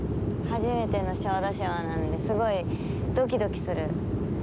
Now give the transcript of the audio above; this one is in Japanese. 初めての小豆島なのですごい、どきどきする。